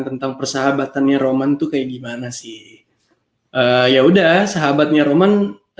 tentang persahabatannya roman tuh kayak gimana sih ya udah sahabatnya roman